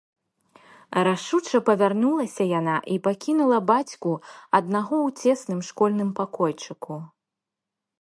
Рашуча павярнулася яна і пакінула бацьку аднаго ў цесным школьным пакойчыку.